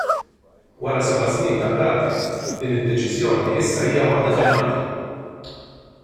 Wara seba' snin ta' qrati, din id-deċiżjoni issa hija waħda finali.